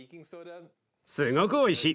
すごくおいしい。